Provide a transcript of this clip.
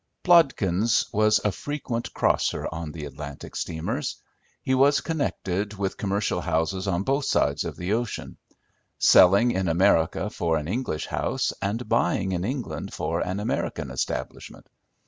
Plodkins was a frequent crosser on the Atlantic steamers. He was connected with commercial houses on both sides of the ocean; selling in America for an English house, and buying in England for an American establishment.